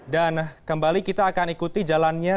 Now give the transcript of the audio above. dan kembali kita akan ikuti jalannya